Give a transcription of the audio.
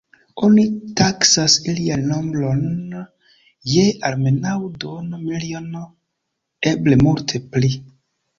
Oni taksas ilian nombron je almenaŭ duona miliono, eble multe pli.